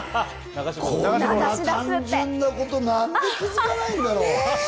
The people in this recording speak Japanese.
こんな単純なことなんで気づかないんだろう？